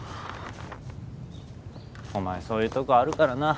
お前そういうとこあるからな。